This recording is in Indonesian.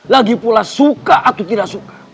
lagi pula suka atau tidak suka